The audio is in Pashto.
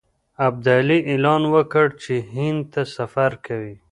ابدالي اعلان وکړ چې هند ته سفر کوي.